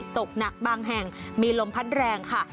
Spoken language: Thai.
ตกหนักบางแห่งมีลมพัดแรงค่ะ